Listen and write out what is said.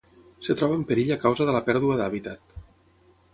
Es troba en perill a causa de la pèrdua d'hàbitat.